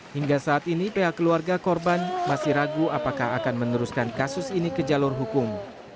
hingga saat ini pihak keluarga korban masih ragu apakah akan meneruskan kasus ini ke jalur hukum